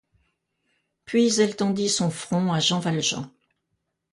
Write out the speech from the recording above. Puis elle tendit son front à Jean Valjean.